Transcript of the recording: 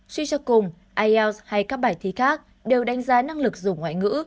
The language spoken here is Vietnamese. suy cho cùng ielts hay các bài thi khác đều đánh giá năng lực dùng ngoại ngữ